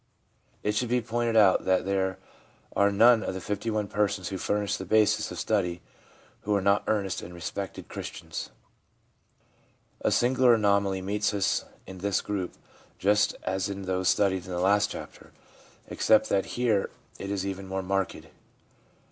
It should be pointed out that there are none of the 51 persons who furnish the basis of the study who are not earnest and respected Christians. A singular anomaly meets us in this group, just as in those studied in the last chapter, except that here it is even more marked.